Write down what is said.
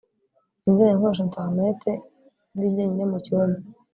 sinzajya nkoresha interineti ndi jyenyine mu cyumba